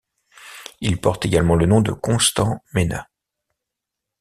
Il porte également le nom de Constant Ménas.